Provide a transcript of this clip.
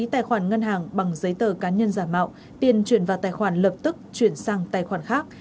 đăng ký tài khoản ngân hàng bằng giấy tờ cá nhân giảm mạo tiền chuyển vào tài khoản lập tức chuyển sang tài khoản khác